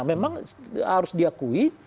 memang harus diakui